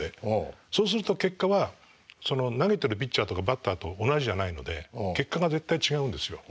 そうすると結果は投げてるピッチャーとかバッターと同じじゃないので結果が絶対違うんですよ。